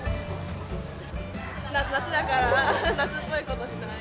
夏だから夏っぽいことしたい。